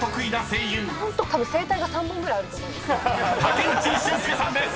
声帯が３本くらいあると思います。